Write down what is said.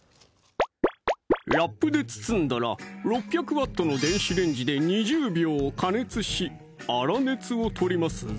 ラップで包んだら６００Ｗの電子レンジで２０秒加熱し粗熱を取りますぞ